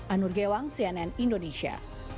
anur gewang cnn indonesia